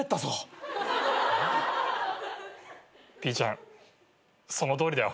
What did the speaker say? ピーちゃんそのとおりだよ。